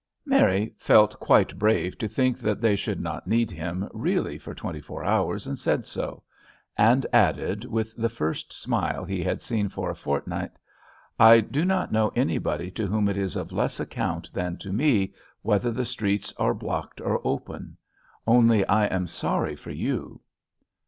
Mary felt quite brave to think that they should not need him really for twenty four hours, and said so; and added, with the first smile he had seen for a fortnight: "I do not know anybody to whom it is of less account than to me, whether the streets are blocked or open. Only I am sorry for you."